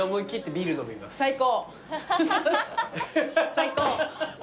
最高！